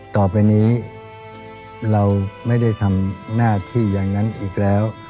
ต่อไปนี้เราไม่ได้ทำหน้าที่อย่างนั้นอีกแล้ว